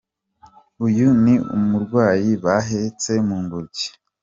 Uyu ni umurwayi bahetse mu ngobyi.